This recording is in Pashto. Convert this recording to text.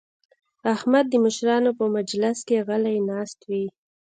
احمد د مشرانو په مجلس کې غلی ناست وي.